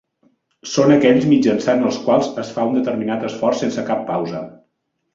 Són aquells mitjançant els quals es fa un determinat esforç sense cap pausa.